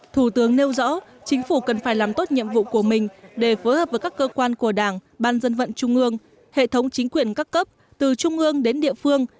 thủ tướng nêu rõ chính phủ cần phải làm tốt nhiệm vụ của mình để phối hợp với các cơ quan của đảng ban dân vận trung ương hệ thống chính quyền các cấp từ trung ương đến địa phương